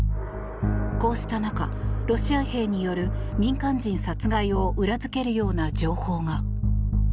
こうした中ロシア兵による民間人殺害を裏付けるような情報が。